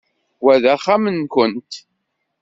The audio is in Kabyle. Wa d axxam-nwent?